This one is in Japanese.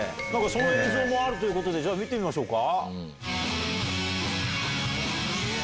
その映像もあるということで見てみましょうか。